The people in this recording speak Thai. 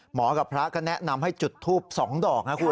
กับพระก็แนะนำให้จุดทูป๒ดอกนะคุณ